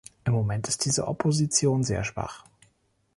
Im Moment ist diese Opposition sehr schwach.